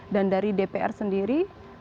dan dari dpr sendiri